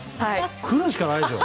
来るしかないですよ！